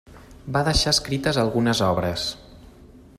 Va deixar escrites algunes obres.